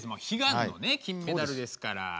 悲願のね金メダルですから。